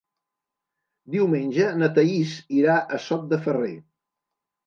Diumenge na Thaís irà a Sot de Ferrer.